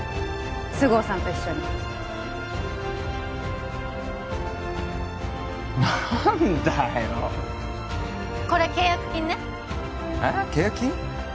菅生さんと一緒に何だよこれ契約金ねえっ契約金？